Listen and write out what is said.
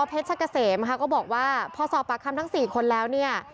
เพชรชะเกษมบอกว่าพอเสียปากคำทั้งสี่คนแล้วเนี่ย